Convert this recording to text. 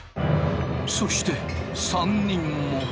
そして３人も。